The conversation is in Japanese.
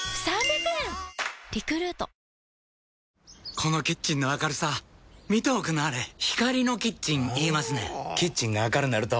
このキッチンの明るさ見ておくんなはれ光のキッチン言いますねんほぉキッチンが明るなると・・・